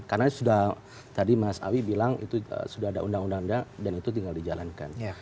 karena sudah tadi mas awi bilang itu sudah ada undang undang dan itu tinggal dijalankan